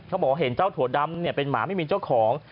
เขาบอกว่าเห็นเจ้าถั่วดำเป็นหมาไม่มีเจ้าของ